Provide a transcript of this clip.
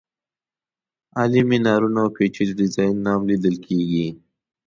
عالي مېنارونه او پېچلي ډیزاینونه هم لیدل کېږي.